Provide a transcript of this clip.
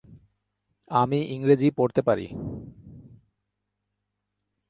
আমি ইংরাজি পরতে পারি।